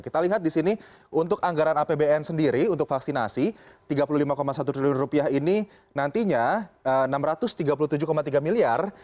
kita lihat di sini untuk anggaran apbn sendiri untuk vaksinasi rp tiga puluh lima satu triliun ini nantinya rp enam ratus tiga puluh tujuh tiga miliar